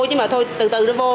chứ mà thôi từ từ nó vô